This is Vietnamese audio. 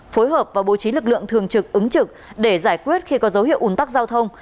phối hợp và bố trí lực lượng thường trực ứng trực để giải quyết khi có dấu hiệu ủn tắc giao thông